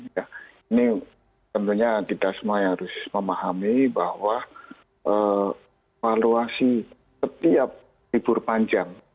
ini tentunya kita semua yang harus memahami bahwa valuasi setiap libur panjang